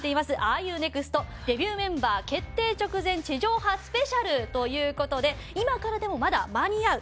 『ＲＵＮｅｘｔ？』デビューメンバー決定直前地上波スペシャルという事で今からでもまだ間に合う。